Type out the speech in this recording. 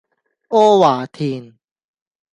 阿華田